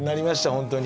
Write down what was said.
本当に。